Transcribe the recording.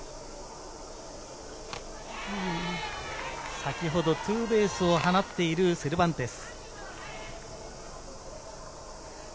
先ほどツーベースを放っているセルバンテス。